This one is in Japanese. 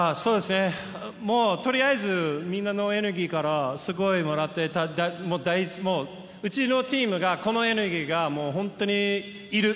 もうとりあえずみんなのエネルギーをすごいもらってもう、うちのチームがこのエネルギー本当にいる。